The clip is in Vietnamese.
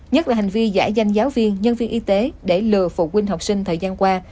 nhất là hành vi giả danh giáo viên nhân viên y tế để lừa phụ huynh học sinh thời gian qua